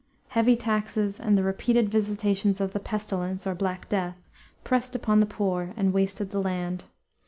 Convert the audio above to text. Heavy taxes and the repeated visitations of the pestilence, or Black Death, pressed upon the poor and wasted the land.